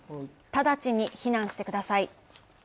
直ちに避難してください。